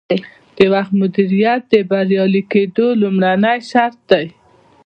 د وخت مدیریت د بریالي کیدو لومړنی شرط دی.